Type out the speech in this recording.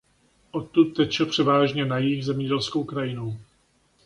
Odtud teče převážně na jih zemědělskou krajinou.